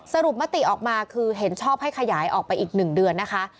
มติออกมาคือเห็นชอบให้ขยายออกไปอีก๑เดือนนะคะ